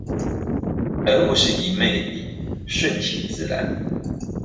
而不是一昧地順其自然